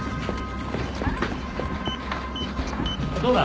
どうだ？